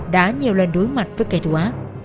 đã nhiều lần đối mặt với kẻ thù ác